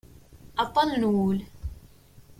Aṭṭan n wul.